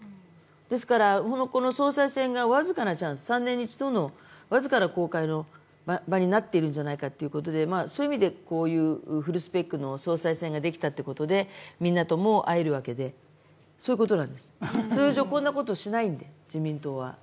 ですからこの総裁選が３年に一度の僅かな公開の場になっているんじゃないかということでそういう意味でフルスペックの総裁選ができたということでみんなとも会えるということでそういうことなんです、通常こんなことしないんで、自民党は。